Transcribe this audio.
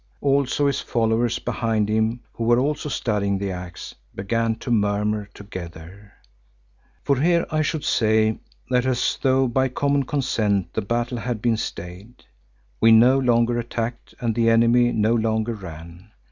Also his followers behind him who were also studying the axe, began to murmur together. For here I should say that as though by common consent the battle had been stayed; we no longer attacked and the enemy no longer ran.